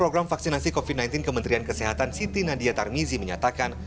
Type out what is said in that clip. program vaksinasi covid sembilan belas kementerian kesehatan siti nadia tarmizi menyatakan